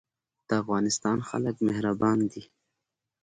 د افغانستان خلک مهربان دي